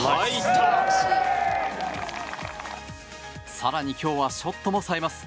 更に今日はショットも冴えます。